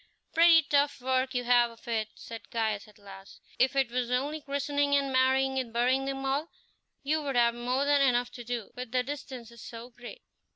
"Pretty tough work you have of it," said Caius at last; "if it was only christening and marrying and burying them all, you would have more than enough to do, with the distances so great."